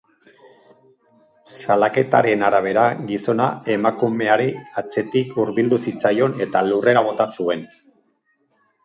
Salaketaren arabera, gizona emakumeari atzetik hurbildu zitzaion, eta lurrera bota zuen.